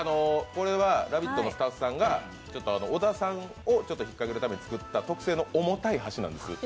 これは「ラヴィット！」のスタッフさんが小田さんを引っ掛けるために作った特製の重たい箸なんです。